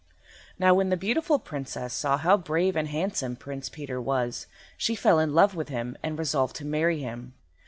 Now when the beautiful Princess saw how brave and handsome Prince Peter was she fell in love with him, and resolved to marry him.